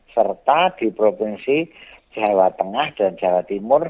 serta di provinsi jawa tengah dan jawa timur